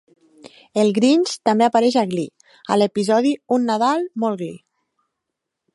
El Grinx també apareix a "Glee" a l'episodi "Un Nadal molt Glee".